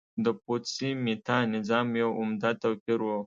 د پوتسي میتا نظام یو عمده توپیر و